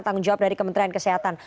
tanggung jawab dari kementerian kesehatan